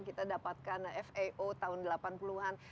kita dapatkan fao tahun delapan puluh an